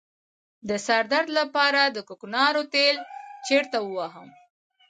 د سر درد لپاره د کوکنارو تېل چیرته ووهم؟